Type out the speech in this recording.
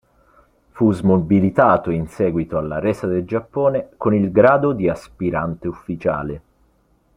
Fu smobilitato in seguito alla resa del Giappone con il grado di aspirante ufficiale.